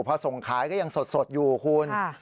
พอส่งขายก็ยังสดอยู่คุณ